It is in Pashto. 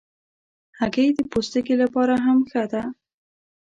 هګۍ د پوستکي لپاره هم ښه ده.